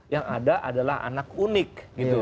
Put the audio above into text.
yang ada adalah anak unik gitu